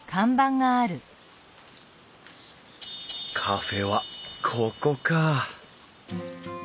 カフェはここか。